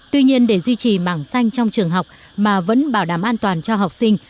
tuy nhiên để duy trì mảng xanh trong trường học mà vẫn bảo đảm an toàn cho học sinh